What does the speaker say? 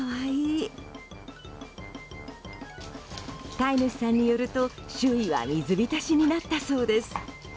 飼い主さんによると周囲は水浸しになったそうです。